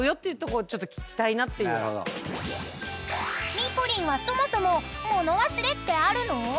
［ミポリンはそもそも物忘れってあるの？］